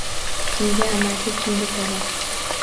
Kimga amaki, kimga togʼa.